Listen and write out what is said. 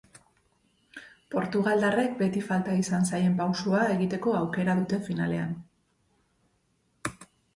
Portugaldarrek beti falta izan zaien pausua egiteko aukera dute finalean.